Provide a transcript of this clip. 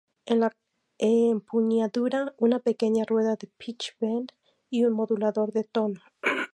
En la empuñadura una pequeña rueda de pitch bend y un modulador de tono.